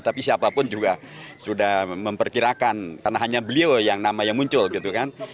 tapi siapapun juga sudah memperkirakan karena hanya beliau yang nama yang muncul gitu kan